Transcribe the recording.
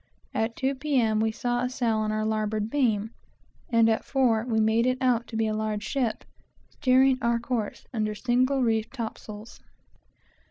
At two, P.M., we saw a sail on our larboard beam, and at four we made it out to be a large ship, steering our course, under single reefed topsails.